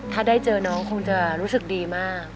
ถ้าได้เจอน้องคงจะรู้สึกดีมาก